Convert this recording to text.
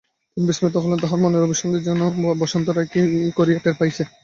তিনি বিস্মিত হইলেন, তাঁহার মনের অভিসন্ধি যেন বসন্ত রায় কী করিয়া টের পাইয়াছেন।